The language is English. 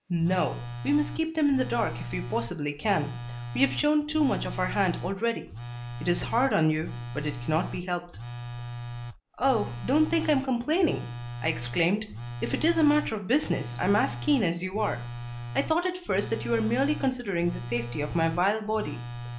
No; we must keep them in the dark if we possibly can. We have shown too much of our hand already. It is hard on you, but it cannot be helped." "Oh, don't think I am complaining," I exclaimed. "If it is a matter of business, I am as keen as you are. I thought at first that you were merely considering the safety of my vile body.